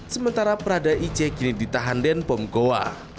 sementara prada ic kini ditahan dan bom goa